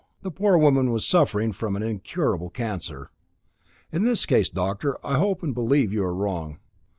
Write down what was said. The poor woman was suffering from an incurable cancer." "In this case, Doctor, I hope and believe you are wrong.